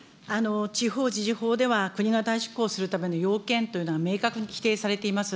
地方自治法では、国が代執行するための要件というのが明確にきていされています。